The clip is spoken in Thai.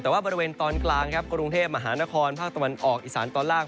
แต่ว่าบริเวณตอนกลางครับกรุงเทพมหานครภาคตะวันออกอีสานตอนล่าง